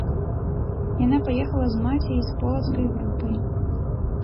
Яна паехала з маці і з полацкай групай.